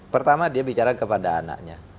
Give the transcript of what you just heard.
pertama dia bicara kepada anaknya